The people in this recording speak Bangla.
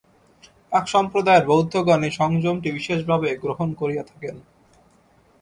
এক সম্প্রদায়ের বৌদ্ধগণ এই সংযমটি বিশেষভাবে গ্রহণ করিয়া থাকেন।